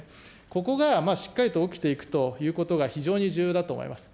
ここがしっかりと起きていくということが非常に重要だと思います。